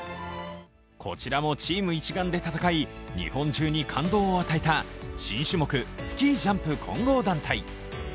こちらもチーム一丸で戦い、日本中に感動を与えた新種目、スキージャンプ混合団体。